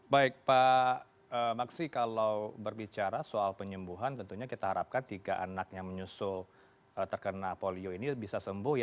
baik pak maksi kalau berbicara soal penyembuhan tentunya kita harapkan jika anak yang menyusul terkena polio ini bisa sembuh